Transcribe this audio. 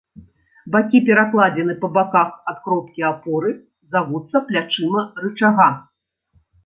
Бакі перакладзіны па баках ад кропкі апоры завуцца плячыма рычага.